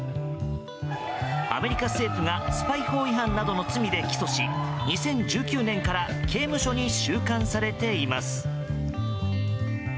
アメリカ政府がスパイ法違反などの罪で起訴し２０１９年から刑務所に収監されています。